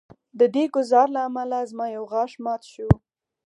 د دې ګزار له امله زما یو غاښ مات شو